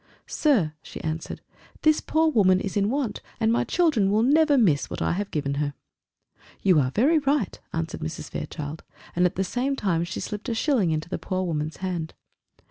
"Sir," she answered, "this poor woman is in want, and my children will never miss what I have given her." "You are very right," answered Mrs. Fairchild; and at the same time she slipped a shilling into the poor woman's hand.